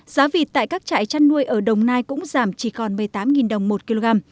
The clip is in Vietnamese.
giá vịt tại các trại chăn nuôi ở đồng nai cũng giảm chỉ còn một mươi tám đồng một kg